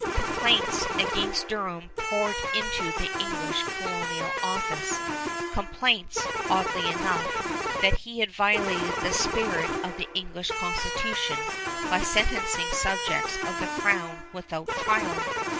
Complaints against Durham poured into the English colonial office, complaints, oddly enough, that he had violated the spirit of the English Constitution by sentencing subjects of the Crown without trial.